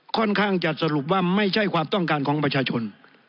ค่อนข้างจะสรุปว่าไม่ใช่ความต้องการของประชาชน